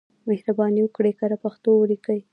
مهرباني وکړئ کره پښتو ولیکئ.